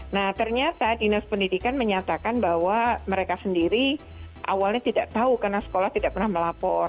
nah ternyata dinas pendidikan menyatakan bahwa mereka sendiri awalnya tidak tahu karena sekolah tidak pernah melapor